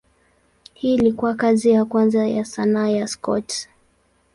Hii ilikuwa kazi ya kwanza ya sanaa ya Scott.